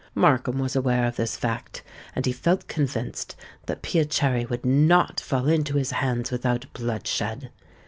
Markham was aware of this fact; and he felt convinced that Piacere would not fall into his hands without bloodshed.